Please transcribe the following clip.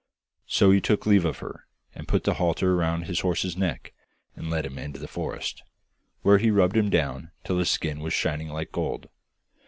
So he took leave of her, and put the halter round his horse's neck and led him into the forest, where he rubbed him down till his skin was shining like gold.